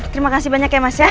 terima kasih banyak ya mas ya